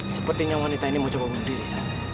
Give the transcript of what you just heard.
sepertinya wanita ini mau coba bunuh diri san